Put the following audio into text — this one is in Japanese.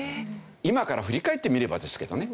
今から振り返ってみればですけどね。